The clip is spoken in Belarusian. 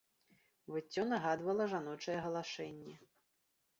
Выццё нагадвала жаночае галашэнне.